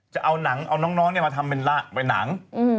จะเอาน้องมาทำเป็นหนัง